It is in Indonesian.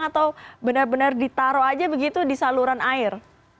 atau benar benar ditaruh aja begitu di saluran air